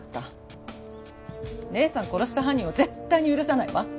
姉さんを殺した犯人を絶対に許さないわ！